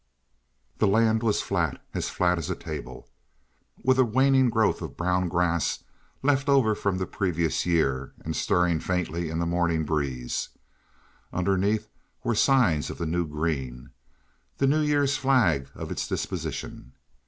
The land was flat—as flat as a table—with a waning growth of brown grass left over from the previous year, and stirring faintly in the morning breeze. Underneath were signs of the new green—the New Year's flag of its disposition.